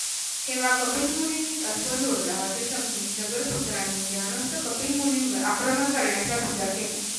तेव्हा कपिलमुनींनीच अश्व चोरला असे समजून सगरपुत्रांनी ध्यानस्थ कपिलमुनींवर आक्रमण करण्याचा विचार केला.